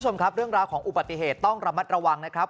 คุณผู้ชมครับเรื่องราวของอุบัติเหตุต้องระมัดระวังนะครับ